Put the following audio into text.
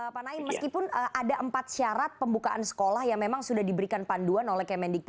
pak naim meskipun ada empat syarat pembukaan sekolah yang memang sudah diberikan panduan oleh kemendikbud